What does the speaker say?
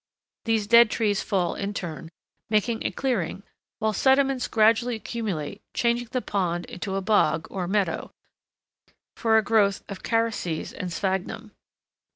These dead trees fall in turn, thus making a clearing, while sediments gradually accumulate changing the pond into a bog, or meadow, for a growth of carices and sphagnum.